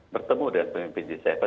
bertemu dengan pemimpin g tujuh